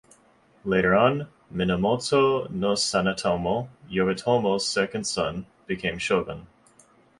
Later on, Minamoto no Sanetomo, Yoritomo's second son, became shogun.